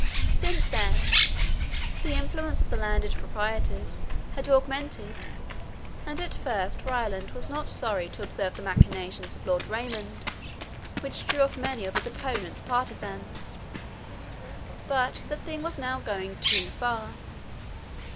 Since then, the influence of the landed proprietors had augmented; and at first Ryland was not sorry to observe the machinations of Lord Raymond, which drew off many of his opponent's partizans. But the thing was now going too far.